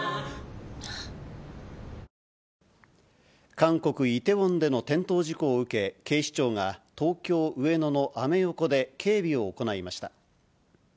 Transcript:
韓国・イテウォンでの転倒事故を受け、警視庁が、東京・上野のアメ横で警備を行いました。